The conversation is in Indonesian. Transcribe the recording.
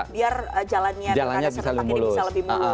biar jalannya bisa lebih mulus